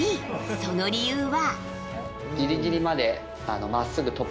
その理由は？